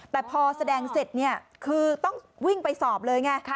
แต่พอแสดงเสร็จเนี่ยคือต้องวิ่งไปสอบเลยไง